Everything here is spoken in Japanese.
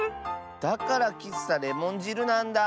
だからきっさレモンじるなんだ。